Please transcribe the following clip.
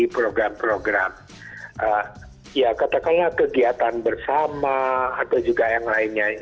program program ya katakanlah kegiatan bersama atau juga yang lainnya